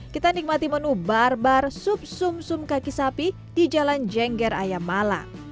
kita nikmati menu bar bar sup sum sum kaki sapi di jalan jengger ayam malang